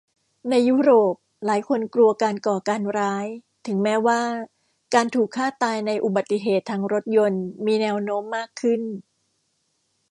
ในยุโรปหลายคนกลัวการก่อการร้ายถึงแม้ว่าการถูกฆ่าตายในอุบัติเหตุทางรถยนต์มีแนวโน้มมากขึ้น